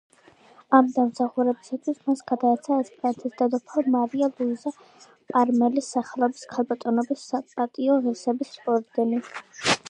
ამ დამსახურებისათვის მას გადაეცა ესპანეთის დედოფალ მარია ლუიზა პარმელის სახელობის ქალბატონების საპატიო ღირსების ორდენი.